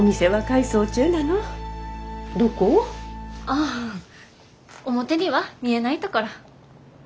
あっ表には見えないところ。